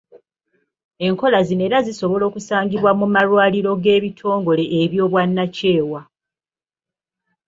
Enkola zino era zisobola okusangibwa mu malwaliro g’ebitongole eby'obwannakyewa.